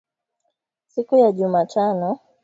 siku ya Jumatano